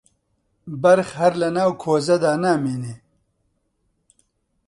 بەرخ هەر لەناو کۆزەدا نامێنێ